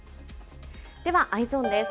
では、Ｅｙｅｓｏｎです。